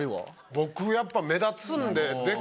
僕やっぱ目立つんで。